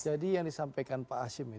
jadi yang disampaikan pak hasim